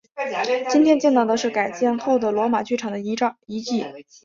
今天见到的是改建后的罗马剧场的遗迹。